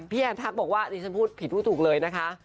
แอนทักบอกว่าดิฉันพูดผิดพูดถูกเลยนะคะ